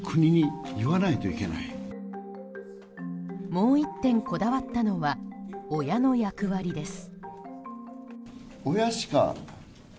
もう一点こだわったのは親の役割です。